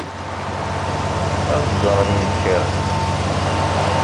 Ad ɣ-d-ẓren nekker.